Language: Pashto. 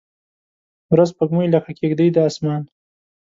پوره سپوږمۍ لکه کیږدۍ د اسمان